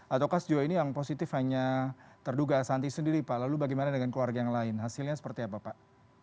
ataukah sejauh ini yang positif hanya terduga asanti sendiri pak lalu bagaimana dengan keluarga yang lain hasilnya seperti apa pak